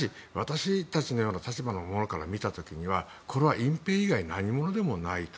しかし私たちのような立場の者から見た時にはこれは隠蔽以外の何物でもないと。